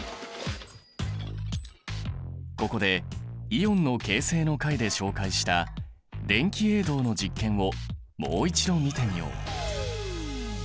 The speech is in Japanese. ここでイオンの形成の回で紹介した電気泳動の実験をもう一度見てみよう。